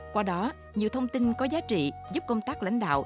qua đó nhiều thông tin có giá trị giúp công tác lãnh đạo